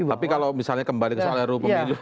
tapi kalau misalnya kembali ke saleru pemilu